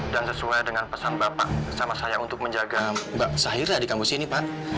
dan sesuai dengan pesan bapak sama saya untuk menjaga mbak syahira di kampus ini pak